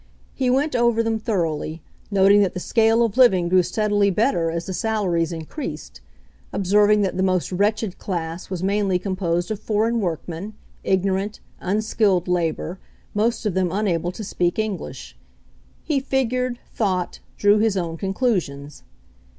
He went over them thoroughly, noting that the scale of living grew steadily better as the sal aries increased, observing that the most wretched class was mainly composed of foreign workmen, ignorant, unskilled labor, most of them unable to speak English. He figured, thought, drew his own conclusions.